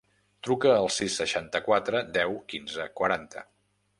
Truca al sis, seixanta-quatre, deu, quinze, quaranta.